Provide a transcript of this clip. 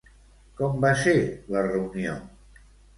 Com va ser la reunió?